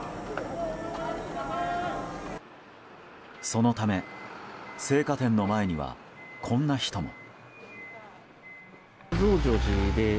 そのため、生花店の前にはこんな人も。